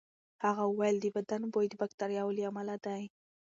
هغه وویل د بدن بوی د باکتریاوو له امله دی.